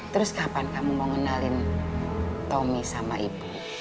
terus kapan kamu mau ngenalin tommy sama ibu